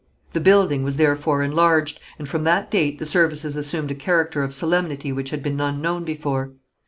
The building was therefore enlarged, and from that date the services assumed a character of solemnity which had been unknown before.